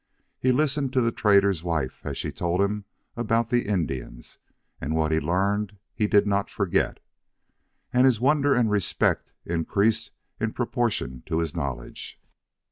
He listened to the trader's wife as she told him about the Indians, and what he learned he did not forget. And his wonder and respect increased in proportion to his knowledge.